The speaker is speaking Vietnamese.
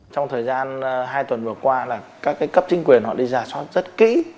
trong thời gian hai tuần vừa qua là các cái cấp chính quyền họ đi ra soát rất kỹ